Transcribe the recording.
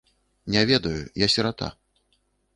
Не ведаю, я сірата.